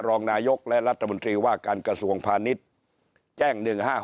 รองนายกและรัฐมนตรีว่าการกระทรวงพาณิชย์แจ้ง๑๕๖